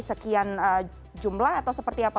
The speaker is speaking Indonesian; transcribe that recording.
sekian jumlah atau seperti apa